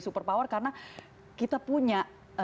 super power karena kita punya